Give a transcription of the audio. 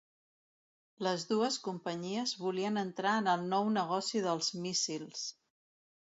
Les dues companyies volien entrar en el nou negoci dels míssils.